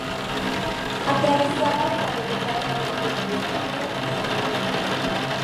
Atravesaba por los departamentos Río Primero y San Justo.